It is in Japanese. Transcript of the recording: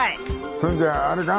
そんじゃああれか？